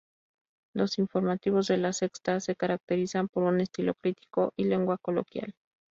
Los informativos de La Sexta se caracterizan por un estilo crítico y lenguaje coloquial.